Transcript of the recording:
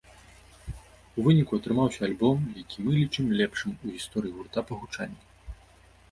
У выніку атрымаўся альбом, які мы лічым лепшым у гісторыі гурта па гучанні.